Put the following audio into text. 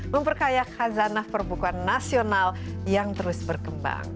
memperkaya kazanah perbukuan nasional yang terus berkembang